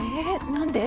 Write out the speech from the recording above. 何で？